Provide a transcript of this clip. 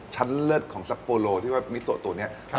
ชั้นเลือดของซัพโปโลที่ว่ามิโซตัวไม่รู้